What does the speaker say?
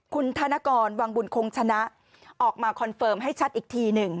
คุณธนกรวังบุญคงชนะออกมาคอนเฟิร์มให้ชัดอีกทีหนึ่ง